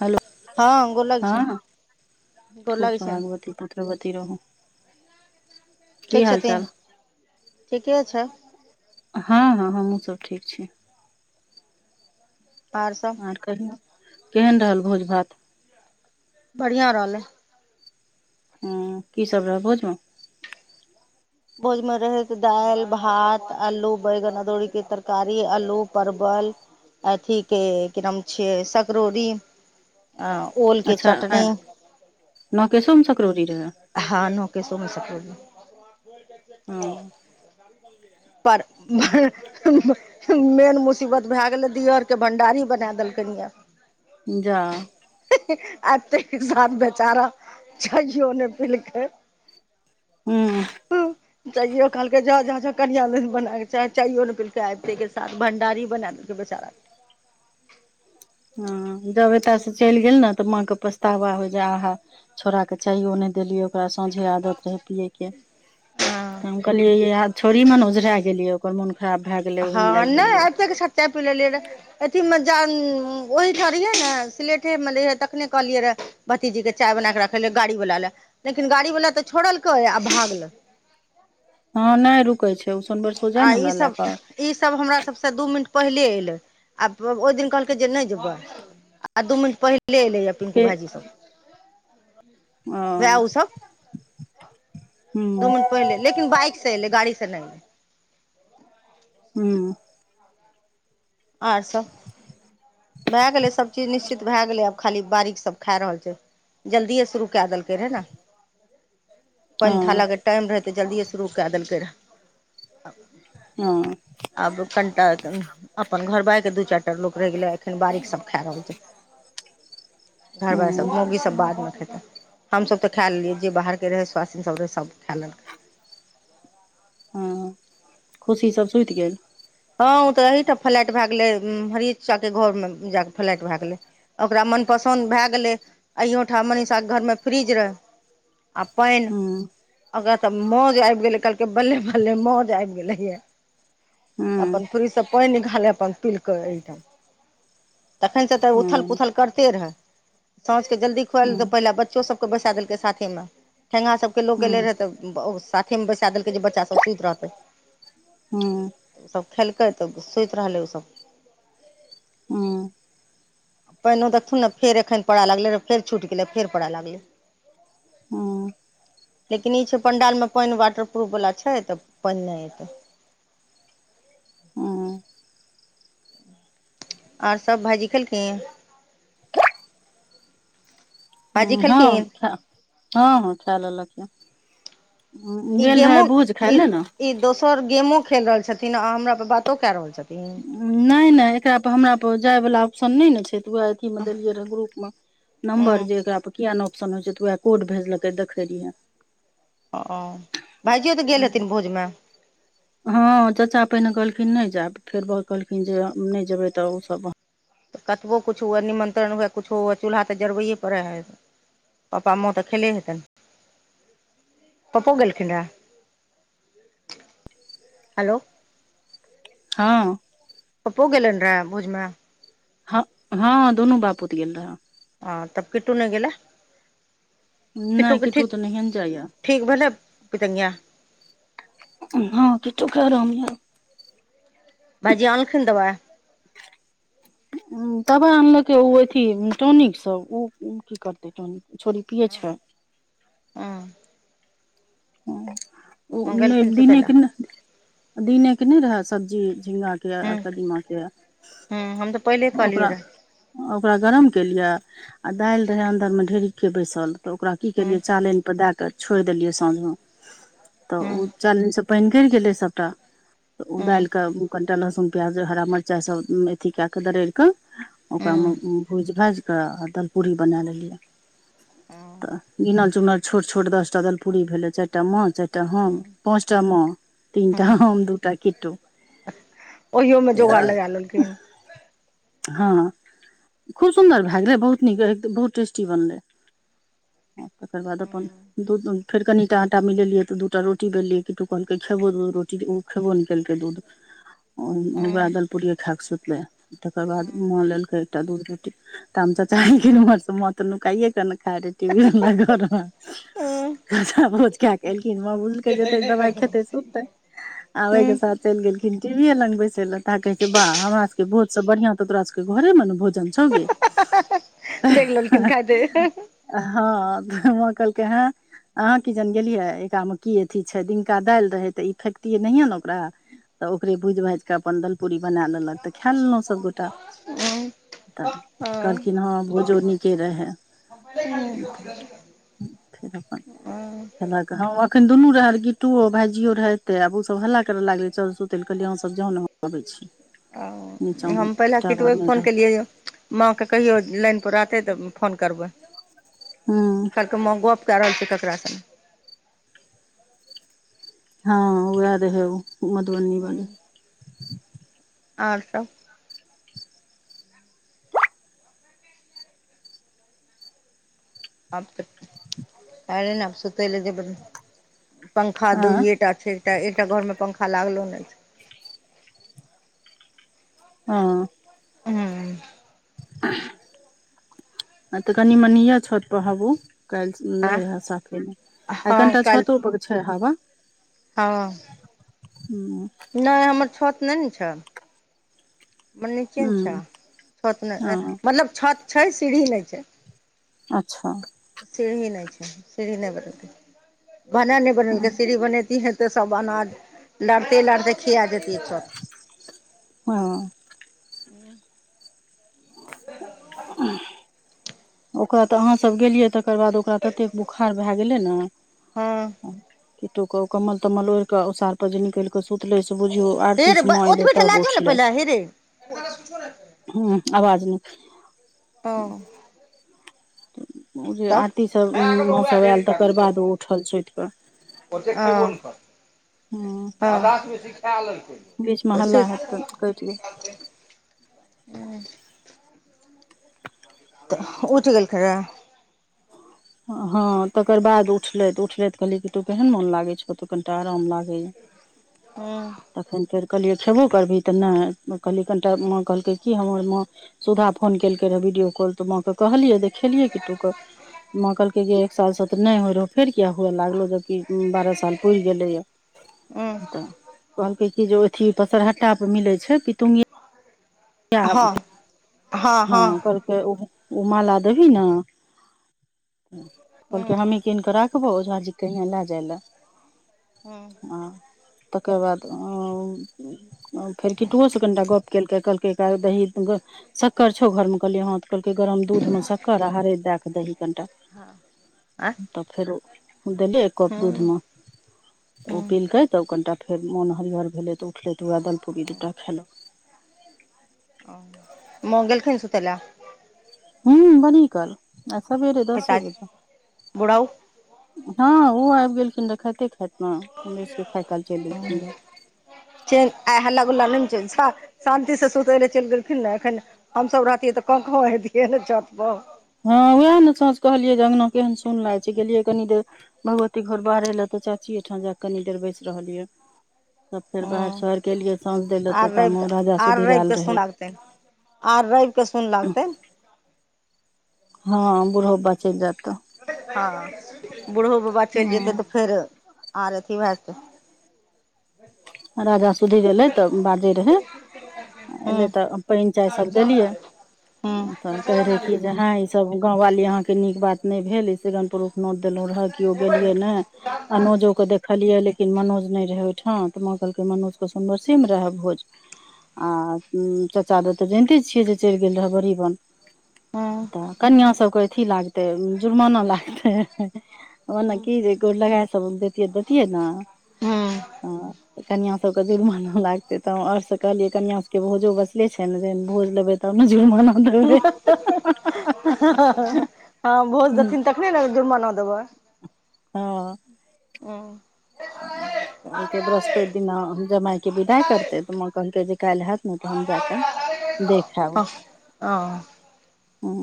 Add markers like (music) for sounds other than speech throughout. Hello हँ गोर लगै हँ छियनि गोर खूब लगै छियनि सोहागवती पुत्रवती रहू की ठीक हाल चाल छथिन्ह ठीके छैय हँ हँ हमहुँ सब ठीक छी पारसल कहिय केहन रहल भोज भात बड़िया रहलै हु की सब रहै भोझ मऽ भोज मे रहैय दैल भात अलू बैगन अदौड़ी के तरकारी अलू परवल अथी के की नाम छियै सकरौड़ी आ ओल कऽ चटनी नोकेशो मे सकरौड़ी रहै हऽ नकेशो मे सकरौड़ी रहै हूँ पर (unintelligible) (unintelligible) मेन मुसीबत भए गेलै दियौर कऽ भंडारी बना देलकैन ये जाऽ एऽ तेके साथ बेचारा चैययौ ने पिलकै ह ह तैयो कहलकै जा जा जा कनिया नैह बनाय चाहय चाहियो नैह पिलकै आबिते के साथ भण्डारी बनाए देलकै बेचारा हँ जब एतय सऽ चैल गेल ने तऽ माँके पछतावा होइ जे आहाँ छौड़ाके चैयो नैह देलियै ओकरा साँझे आदत रहैय पियैके के। तऽ हम कहलियै आब छौड़री मे नऽ ओझरा गेलियै ओकर मोन खराब भए गेलै ओहमे लैग गेलियै चाह पि लेलिय रे अथी मे (unintelligible) ओहीठाम रहिये नऽ सिलेठे मेेे रहिये तखने कहलियै रे भतीजी के चाय बना कऽ राखलियै गाड़ी वला ले लेकिन गाड़ी वला तऽ छोड़लकै आ भागले हँ नैय रुकै छै उस सब आ ई सब ई सब हमरा सबसे दू मिनट पहिले एलै आ ओहि दिन कहलकै जे नैय जेबै आ दू मिनट पहिले एलै या पिंकु के भाईजी सब अ वएह ह उसब दू मिनट पहिले लेकिन बाइक से एलै गाड़ी से नेैय एलय हूँ और सब भाएऽ गेलै सब चीज निश्चित भाएऽ गेलै आब खाली बारीक सब खा रहल छै़थ जल्दिए शुरू कए देलकै है न पैन ह थालक टाइम रहय तऽ जल्दिए शुरू कए देलकै रहए ह आब (unintelligible) अपन घर बार के दू चैर टा लोक रैह गेलै एखन बारिक सब खा रहल छथि घर बार सब ह मौगी सब बाद मे खेतै हम सब तऽ खाए लेलियै जे बाहरके रहै स्वाथिन सभ रहै सब खाए लेलकै हँ खु सब सुइत गेल हँ ओ तऽ एहिठम फ्लाैट भए गेलै हरिचा के घर मे जााकऽ फ्लाैट भ गेलै ओकरा मनपंसन्द भए गेलै अहियोठाम मनीषा के घर मे फ्रिज रहै आ पैन ह ओकरा तऽ मौज अैब गेलेै कहलकै बल्ले -बल्ले मौज अैब गेले ये ह ह अपन पैन अपन पिलकै तखन से तऽ उथल ह -पूथल कैरते रहै साँझ के जल्दी खुआ ह ह ह पहिल बच्चो सबके बैसा देलकै साथे मे ठेंगा सभके लोक ह ह एलै ह रहै तऽ ओ साथे मे बैसा देलकै जे बच्चा सब सुइत रहतै हूँ ओ सब खेलकै तऽ सुइत रहलै उ सब पइनो देथुन न फेर एखन पड़य लगलै फेर छूटि गेलै फेर पड़य लगलै लेकिन ई छै पण्डालमे पानि वाटर प्र्रूफवला छै तऽ पानि नहि एतै आर सब भाजीखेलखिनह ‌ भाइजी हँ खेलखिन खालेलक खाय ललक ई गेल रहै गेमो भोज खााय ई ले ने ई दोसर गेमो खेल रहल छथिन आ हमरास बातो कए रहल छथिन नहि नहि एकरापर हमरापर जायवला ऑप्शन नहि ने छै तऽ उएह अथीमे देलियै रहए ग्रुपमे नम्बर जे एकरा पर किियाक ऑप्शन होइ छै तऽएह कोड भेजलकै देखे रहियै ओ भाइजियो तऽ गेल हथिन भोजमे हँ चाचा पहिने कहलखिन नहि जायब फेर ब कहलखिन जे नहि जेबे तऽ ओ सब तऽ कबो किछुए निमन्त्रण हुए किछो हुए चूल्हा तऽ जरबैए पड़ै अछि पप्पा माँ तऽ अखेले हेतनि पप्पो गेललखिड ररहै हेलो हँ पप्पो गेलनि रहे भोजमे हँ हँ दुनू बापूत गेल रहय ह तब कीटू नहि गेलल नहि कीटटु किट्टू तऽ नहिये ने जाइया ठीक भेलल पित्ंगिया हँ किटु कहै रहलि है भाईजी आनलखी दवाई (unintelligible) तबे आनलकै ओ अथ टौनिक सब (unintelligible) छोरी पियै छै (unintelligible) (unintelligible) ओ नै मङ्गेलखिन सुतय दिने लए केँ नै (inaudible) दिने केँ नै रहै सब्जी झिगा केँ आ हूँ कदीमा केँ हूँ हम तऽ पहिले (inaudible) कहलियै ओकरा रहए ओकरा गरम केलियै आ दाइल रहै अन्दरमे ढेरिके बैसल तऽ ओकरा की हूँ केलियै चालैन पर दै कऽ छोड़ देलियै साँझमे (inaudible) तऽ हूँ ओ चालैनस पाइन गड़ि गेलै सभटा (inaudible) तऽ ओ दाइल हूँ कऽ कनिटा लहसुन प्याज हरा मिरचाइ सभ अथि कए कऽ दरड़ि कऽ ओकरा हूँ में भूज भाइज कऽ दलपुरी बनै लेलियै हूँ तऽ गिनल चुन छोट छोट दसटा दलपूरी भेलै चाइर चारटा मोहन चारटा होम हँ पाँचटा म तीनटा होम दुटा किटु ओहियोम जोगर लगा लेलखिन हँ खूब सुन्दर भए गेलै बहुत नीक बहुत टेस्टी बनलै आ तकर बाद अपन दू फेर कनिटा अटा मिलेलियै तऽ दूटा रोटी बेलिय किटु कहलकै खेबो दूध रोटी ओ खेबो नै केलकै दूध ओम उहै हँ दलपूड़िए खा कऽ सुतलै तकर बाद माँ लेलकै एकटा दूध रोटी (unintelligible) चाचा भोज खै कऽ एलखिन मलके जे दही जेतै नहि खाइ दबाइ छै खेतै सुततै (unintelligible) आबे केँ साथ चैल गेलखिन टी वीे लग बैसे ले ता कहे छै वा हमरा सबके बहुत सब बढ़िया तो तोरा सब घर म न भोजन छै गे (unintelligible) देख लेखिन खाइते हँ तऽ माँ कहलकै है अहाँ की जन गेलियै एकरामे की अथी छै दिनका दाइल रहे तऽ ई फैकतीयै नहिये नओकरा तऽ ओकरे भूज भाइज कऽ अपन दलपुरी बनाए लेलक तऽ खाए लेलौ सभ गोटा हूं (inaudible) तऽ हँ कहलखिन हँ भोजो नीके रहै (unintelligible) खेलक हँ एखन दुनू रहल गिटुओ भायजयो रहेते आब ओ सब हल्ला करय लागले चल सुते कहलियह सब जहन अबै छी (inaudible) आ नीचाँ मे हम पहिल टावर किटुयै कऽ नहि फोन रहतै केलिये यौ माँ केँ कहियो लाइनपर रहतै तऽ फोन करबै (unintelligible) कहलकै माँ गप कै रहल छै ककरा सेन हँ ओहै रहै ओ मधुबनी वाली और सब आ तऽ आरे ने सुतै ले जे पंखा आँ दूइ टा छैे तऽ एकटा घर में पंखा लागलो नै छै हँ (unintelligible) (unintelligible) कनि मनिय छत हाबौ काल्हि नहि आँ रहए साफेमे अखन हँ कनिटा छतोपर छै हवा ह ह नहि हमर छत नहि ने छै मे नचे ने छौ हूँ छत ने हँ मतलब छत छै सीढ़ी नहि छै अच्छा। सीढ़ी नहि छै सीढ़ी नहि बनती भने नहि बनेलक सीढ़ी बनेती ह ते सभ अनाज लड़ते लड़िते खिया जतियै सभ ह हूँ। ओकरा तऽ अहाँ सभ गेलियै तऽ तकर बाद ओकरा ततेक बोखार भए गेलै हँ न तऽ कमल तम्मल ओड़िक उसार जे निकलि कऽ सुतले से बुझियौ हे रे आरतीस माँ एऐलै तब उठलै ओ किछुन। हू आवाज नहि हैं ओ जे आरतीसभ भए गेलौ माँ उएह सभ ढेरी आयल तकर बाद ओ उठल सुतिके ओकन करै सिखा लै छै बीच मे हलला हत तऽ कैटल ह तऽ ऊचिकल ह तकर बाद उठले उठले कहली कऽ तो केहन मन लागे छौ कनि आरम लागै। हूँ तखन फेर कहलियै खेबो करबही तऽ नहि कहलियै कनिटा माँ कहलकै कि हमर माँ सुधा फोन केलकै रहए वीडियो कॉल तऽ माँ के कहलियै देखेलियै किटुक माँ कहलक कि एक साल से तऽ नहि होइ रहोप फेर किएक हुए लागलौ जबकि बारह साल पड़ि गेलैए हूँ तऽ कहलकै क जे अथि पसरहटा पर मिलै छै पितुंगगिया क हँ हँ हँ ह कहालके ओ ओ माला देबी ने कहलक हूँ हमी कीन कऽ राख देखबौ ओजी के हआँ लए जाइ लए ह आ तकर बाद फेर कटुओसँ कनिटा गप केलकैहि दही शक्कर छो घर मे कहलियै ह कहलकै गरम दूध मे शक्कर आरेदि दए कऽ दही कनिटा हँ आँय तब फेर देली एक कप दूध हूँ मे ओ हूँ पिलकऽ तब कनिटा फेर मोन हरिहर भेलै तऽ उठल त वएह दलपूड़ी दूटा खेलक माँ गेलखीन सुतेला। हू बड़ीकाल आय सवेरे दसे पिताजी बजे बुढ़ऊ ह ऊ आइब गेलखिन रहऽ खाइते खाइतमे हमरे सभके खाय काल चलि एलखिन रह चेन आइ हल्ला गुला नहि ने चल छ शांति से सुतय लए चइल गेलखिन ने एखन हमसभ रहतियै तऽ कौ कौ होतियै ने छतबो ह उएह ने साँच कहलियै जे अंगना केहन सुननाइ छै गेलियै कनि देर भगवती घर बाहरै लए तऽ चाची एहिठाम जा कऽ कनि देर बैसि रहल य तब फेर बाहैर हूँ शोहैरकेलियै साँझ दइ लै आर तो रवि तामऽ कऽ राजा आर सुधीर रवि एल रहै (unintelligible) आर रैव के सुन लागतै हँ बुढ़बबा चलि जातऽ हँ बूढ़ो बाबा चलि जेतै हँ तऽ फेर आर अथी भय जेते (inaudible) राजा सुधीर एलै तऽ बाजै रहै एलै हूँ तऽ पैन चाय सब देलियै तऽ कहै रहे की जे हाय सब गाँवाली अहाँके नीक बात नहि भेल (unintelligible) नोत देलु रहे कियो गेलियै नहि हूँ अनोजो कऽ देखलियै लेकिन मनोज नहि रहे ओहिठाम तऽ माँ कहलकै मनुष्यके सुनबरसी मऽ रहए भोज आ चाचा दह तऽ जैनते छियै जे चलि गेल रहय बड़ी बन हूँ तऽ कनिआँ सभके अथी लागतै जुर्माना लागतै ओने हूँ की जे गोड़ लगा सबि दयतियै नऽ कनिया सबके जुड़बाना लागते तऽ हम त! कहलियै कन्यास सके भोजो बचले छै ने भोज लेबै तब ने जुर्माना देबै (unintelligible) हँ भोज देथिन (unintelligible) जुर्माना देबै हँ (unintelligible) ओयके बृहस्पति दिना जमाायके विदाई करते तऽ माँ कहलकै जे काल्हि हेत नहि तऽ हम जााकऽ देख ऐब हँ हं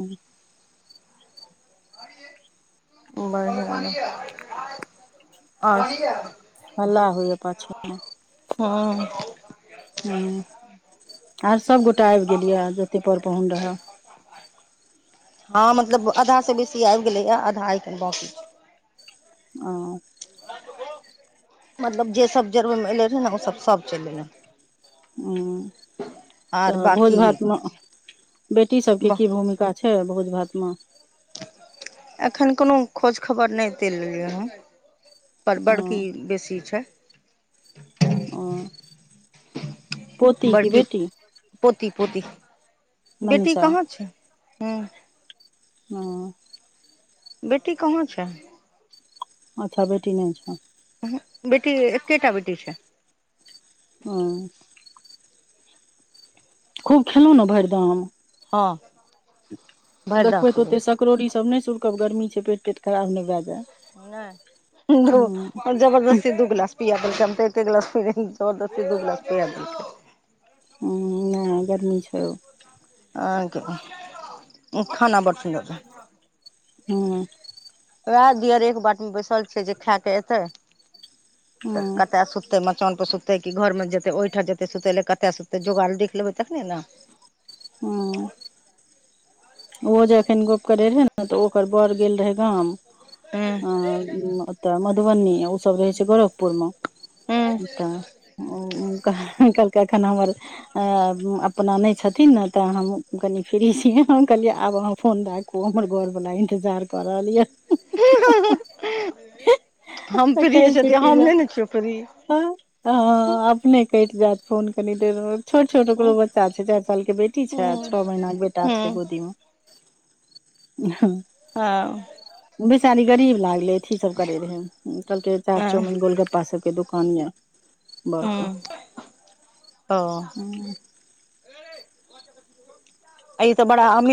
(unintelligible) हल्ला होइया पाछू मऽ हँ हँ आर सबगोटा आबि गेल यऽ जतेक पर पाहुन रहै हँ मतलब आधासँ बेसी आबि गैलयया आधा अखन बाँकी छय औं मतलब जे सब जरबैमे एले रहै ने ओ सब सब चलि एलय ह आर तऽ भोज बाँकी भातमे बेटी सबके की भूमिका छै भोज भातमे एखन कोनो खोज खबर नहि देल लेलियै हँ पर ओ बड़की बेसी छैय ओ पोती की बेटी पोती-पोती बेटी मनीषा कहाँ छै हू ओ बेटी कहाँ छै अच्छा बेटी नहि छै उहू बेटी एकेटा बेटी छै ओ खूब खेलहुँ नऽ भरिदम हँ भरि द देखबै तऽ खेबै ओते सकरड़ौड़ी सब नहि सुुरकब गर्मी छै पेट तेट खराब नहि भए जाए नैय धु (unintelligible) जबरदस्ती दू ग्िलस पििया देलक हम तऽ एके ग्लास प जबरदस्ती दू ग्लास पिया देलके हू नहि गर्मी छय। ओखन बड़ सुन्दर रहे। हूँ। उएह दिअर एक बात मे बैसल छिय जे खाय के एतै तऽ हूँ कतय सुतते। सुतै मचानप पर सुतै कि घरमे जेतै ओहिठाम जेतै सुतय ल कतय सुतै जोगार देख लेबै तखने ने। हूँ ओ जे अखन गप्प करै रहे ने तऽ ओकर बर गेल रहे गाम हूँ अ ओतय मधुबनी ओसब रहै छैय गोरखपुर मे हूँ तऽ कहलकै एखन हमर अ अपनानै छथिन ने तऽ हम कनी फ्री छीय। कहलियै आब अहाँ फोन राखु हमर घोर वला इन्तजार परल यऽ उ उ हम फ्रिर हो छथि हम नहि ने छियौ फ्रिर ह ह अपने केट जायत फोन कनि देरमे छोट छोट हूँ ओकरो बच्चा छैय चारि साल के बेटी छैय छ हूँ छो महीना के बेटा छैय। हूँ ह (unintelligible) हाँ बेचारी गरीब लागलेी अठि सब करे रहे कहलके चाट हँ चाउमीन गोलगप्पा सबके दुकान कन या उ त अ तऽ बड़ा अमीर